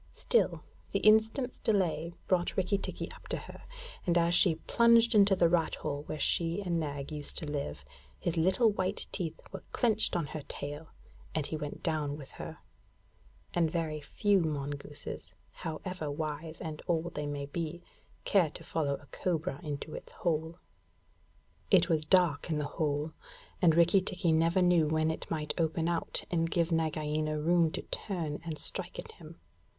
Still, the instant's delay brought Rikki tikki up to her, and as she plunged into the rat hole where she and Nag used to live, his little white teeth were clenched on her tail, and he went down with her and very few mongooses, however wise and old they may be, care to follow a cobra into its hole. It was dark in the hole; and Rikki tikki never knew when it might open out and give Nagaina room to turn and strike at him.